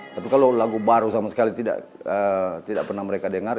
tapi kalau lagu baru sama sekali tidak pernah mereka dengar